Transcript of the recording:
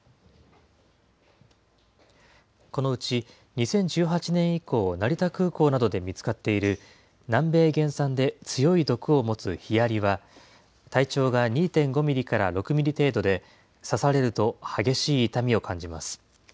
このうち２０１８年以降、成田空港などで見つかっている南米原産で強い毒を持つヒアリは、体長が２．５ミリから６ミリ程度で、刺されると激しい痛みを感じます。